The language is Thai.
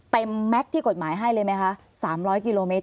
แม็กซ์ที่กฎหมายให้เลยไหมคะ๓๐๐กิโลเมต